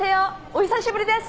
お久しぶりです！